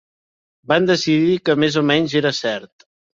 Van decidir que més o menys era cert.